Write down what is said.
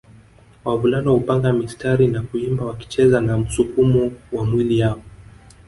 Wavulana hupanga msitari na kuimba wakicheza na msukumo wa miili yao